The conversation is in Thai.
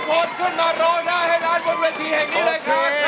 คุณฝนขึ้นมาโดนได้ให้ร้านบนเวทีแห่งนี้เลยครับ